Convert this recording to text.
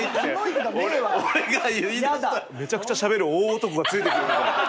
めちゃくちゃしゃべる大男が。